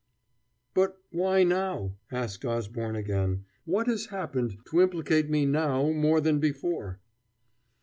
"But why now?" asked Osborne again. "What has happened to implicate me now more than before?"